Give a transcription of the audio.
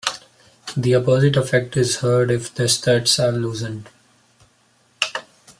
The opposite effect is heard if the studs are loosened.